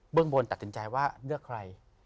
เรื่องบนตัดสินใจว่าเลือกใคร